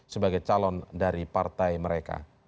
sebagai calon dari partai mereka